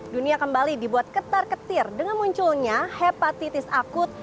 dunia kembali dibuat ketar ketir dengan munculnya hepatitis akut